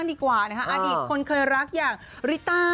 อีกคนเคยรักอย่างริต้า